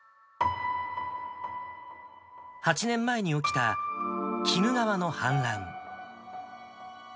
８年前に起きた鬼怒川の氾濫。